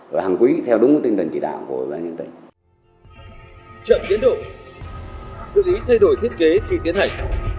và hàng quý theo đúng tinh thần chỉ đạo của ấn tình